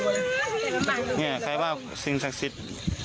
ขอโทษค่ะสิเราก็บอกเราก็สินสักศิษย์